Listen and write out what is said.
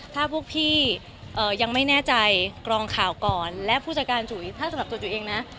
ถ้าพวกพี่ยังไม่แน่ใจกรองข่าวก่อนและผู้จัดการจุ๋ยถ้าสำหรับตัวจุ๋ยเองนะ